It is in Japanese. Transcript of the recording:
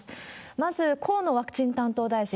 まず河野ワクチン担当大臣。